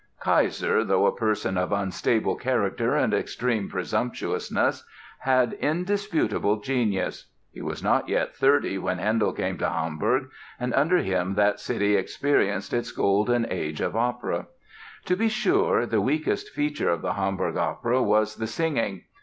Keiser, though a person of unstable character and extreme presumptuousness, had indisputable genius. He was not yet 30 when Handel came to Hamburg and under him that city experienced its golden age of opera. To be sure, the weakest feature of the Hamburg Opera was the singing.